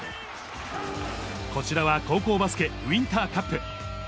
こちらは高校バスケ、ウインターカップ。